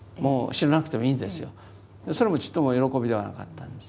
それもちっとも喜びではなかったんです。